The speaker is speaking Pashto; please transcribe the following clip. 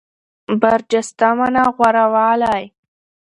برجسته مانا غوره والی.